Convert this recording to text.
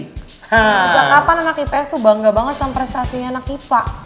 sejak kapan anak ips tuh bangga banget sama prestasinya anak ipa